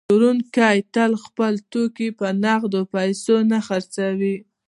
پلورونکی تل خپل توکي په نغدو پیسو نه خرڅوي